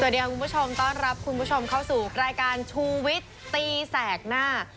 สวัสดีครับคุณผู้ชมต้อนรับคุณผู้ชมเข้าสู่รายการชูวิตตีแสกหน้า